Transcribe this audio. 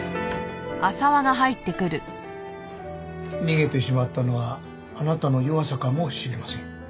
逃げてしまったのはあなたの弱さかもしれません。